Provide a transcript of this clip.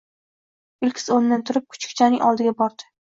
Ilkis o`rnidan turib, kuchukchaning oldiga bordi